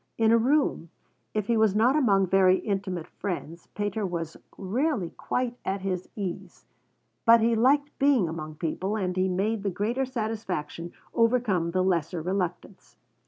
In a room, if he was not among very intimate friends, Pater was rarely quite at his ease, but he liked being among people, and he made the greater satisfaction overcome the lesser reluctance.